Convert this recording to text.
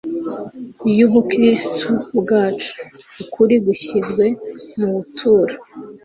y’Ubukristo bwacu. Ukuri gushyizwe mu buturo